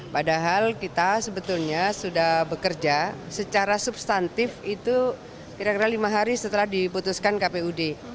padahal kita sebetulnya sudah bekerja secara substantif itu kira kira lima hari setelah diputuskan kpud